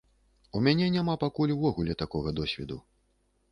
У мяне няма пакуль увогуле такога досведу.